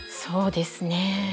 そうですね。